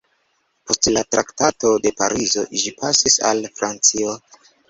Post la Traktato de Parizo ĝi pasis al Francio.